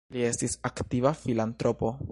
Li estis aktiva filantropo.